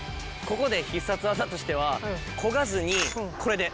ここで必殺技としてはこがずにこれで。